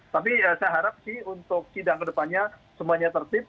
tapi saya harap sih untuk sidang kedepannya semuanya tertib